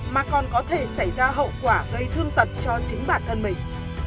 mà còn có thể xảy ra hậu quả gây thương tật cho chính bản thân mình